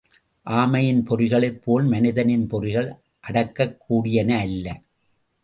ஆமையின் பொறிகளைப் போல் மனிதனின் பொறிகள் அடக்கக்கூடியன அல்ல.